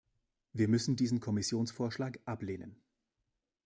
Wir müssen diesen Kommissionsvorschlag ablehnen.